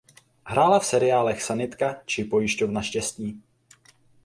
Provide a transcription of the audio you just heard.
Hrála v seriálech "Sanitka" či "Pojišťovna štěstí".